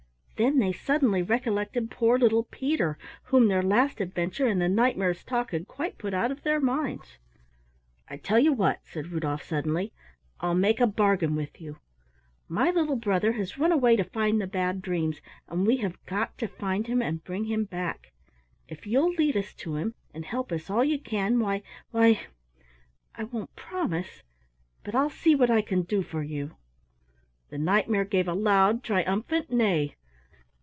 Then they suddenly recollected poor little Peter, whom their last adventure and the Knight mare's talk had quite put out of their minds. "I tell you what," said Rudolf suddenly, "I'll make a bargain with you. My little brother has run away to find the Bad Dreams, and we have got to find him and bring him back. If you'll lead us to him and help us all you can, why why I won't promise but I'll see what I can do for you." The Knight mare gave a loud triumphant neigh.